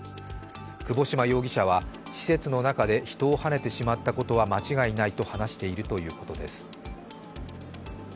窪島容疑者は施設の中で人をはねてしまったことは間違いないと話しているということです。